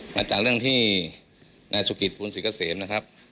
มาจากเรื่องที่นายสุกิริปคุณศรีกะเสมนะครับ